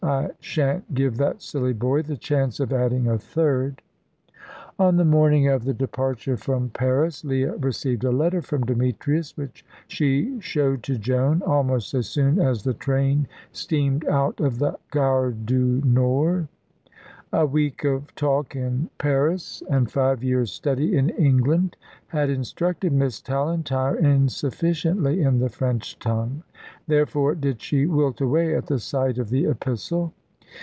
I shan't give that silly boy the chance of adding a third." On the morning of departure from Paris Leah received a letter from Demetrius, which she showed to Joan, almost as soon as the train steamed out of the Gard du Nord. A week of talk in Paris, and five years' study in England, had instructed Miss Tallentire insufficiently in the French tongue; therefore did she wilt away at the sight of the epistle.